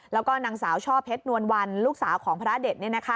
แล้วก็นางสาวช่อเพชรนวลวันลูกสาวของพระเด็ด